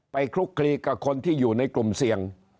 คลุกคลีกับคนที่อยู่ในกลุ่มเสี่ยง